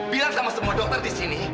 biar sama semua dokter di sini